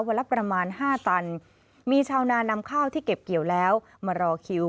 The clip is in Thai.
ละประมาณ๕ตันมีชาวนานำข้าวที่เก็บเกี่ยวแล้วมารอคิว